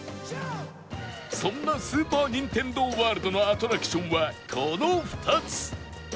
そんなスーパー・ニンテンドー・ワールドのアトラクションはこの２つ